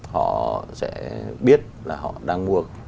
họ sẽ biết là họ đang mua